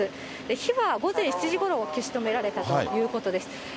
火は午前７時ごろ消し止められたということです。